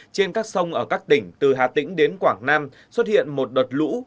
trên các sông ở các tỉnh từ hà tĩnh đến quảng nam xuất hiện một đợt lũ